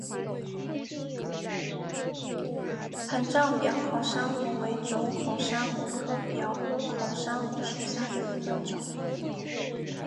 膨胀表孔珊瑚为轴孔珊瑚科表孔珊瑚属下的一个种。